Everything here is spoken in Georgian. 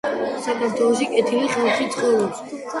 საქართველოში კეთილი ხალხი ცხოვრობს.